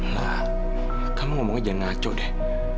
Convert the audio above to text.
lah kamu ngomongnya jangan ngaco deh